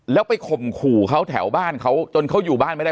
แล้วไปข่มขู่เขาแถวบ้านเขาจนเขาอยู่บ้านไม่ได้